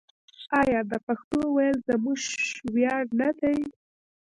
آیا د پښتو ویل زموږ ویاړ نه دی؟